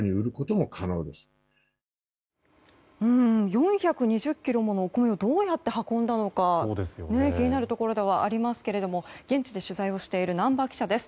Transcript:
４２０ｋｇものお米をどうやって運んだのか気になるところではありますが現地で取材をしている難波記者です。